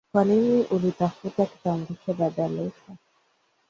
kwa nini ulitafuta kitambulisho dada laughter